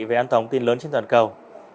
về an toàn an ninh lớn trên toàn cầu